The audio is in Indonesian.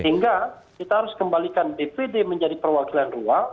sehingga kita harus kembalikan dpd menjadi perwakilan ruang